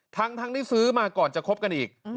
ทั้งที่ซื้อมาก่อนจะคบกันอีก